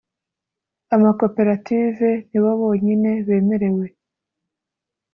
Amakoperative nibo bonyine bemerewe